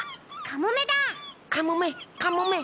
カモメカモメ。